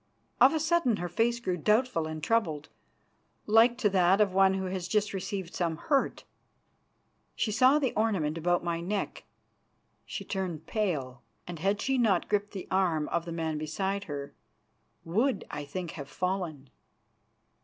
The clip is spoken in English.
Of a sudden her face grew doubtful and troubled, like to that of one who has just received some hurt. She saw the ornament about my neck. She turned pale and had she not gripped the arm of the man beside her, would, I think, have fallen.